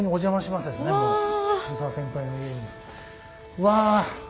うわ！